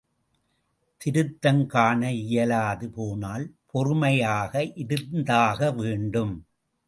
திருத்தம் காண இயலாது போனால், பொறுமையாக இருந்தாக வேண்டும்.